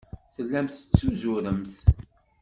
Tellamt tettuzuremt.